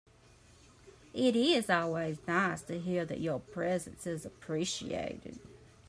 It is always nice to hear that your presence is appreciated.